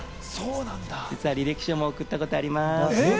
実は履歴書も送ったことあります。